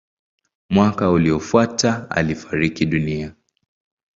Mwaka uliofuata alifariki dunia.